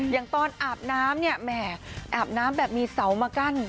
อย่างตอนอาบน้ำเนี่ยแหมอาบน้ำแบบมีเสามากั้น